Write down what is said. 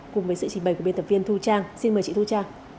cùng với sự trình bày của biên tập viên thu trang xin mời chị thu trang